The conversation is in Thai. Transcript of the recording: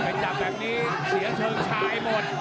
ขยับแบบนี้เสียเชิงชายหมด